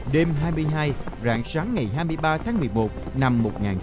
đêm hai mươi hai rạng sáng ngày hai mươi ba tháng một mươi một năm một nghìn chín trăm bảy mươi